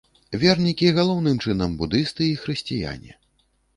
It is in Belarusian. Вернікі галоўным чынам будысты і хрысціяне.